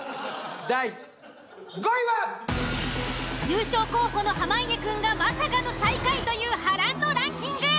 優勝候補の濱家くんがまさかの最下位という波乱のランキング。